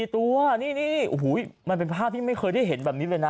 ตัวนี่โอ้โหมันเป็นภาพที่ไม่เคยได้เห็นแบบนี้เลยนะ